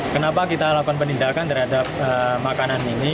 kenapa kita lakukan penindakan terhadap makanan ini